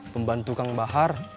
pembantu kang bahar